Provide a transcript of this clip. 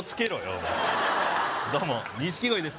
お前どうも錦鯉です